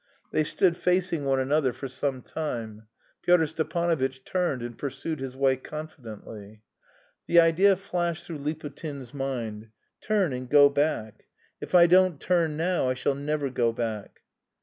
They stood facing one another for some time. Pyotr Stepanovitch turned and pursued his way confidently. The idea flashed through Liputin's mind, "Turn and go back; if I don't turn now I shall never go back."